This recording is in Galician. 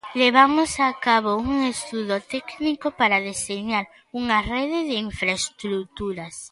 Levamos a cabo un estudo técnico para deseñar unha rede de infraestruturas.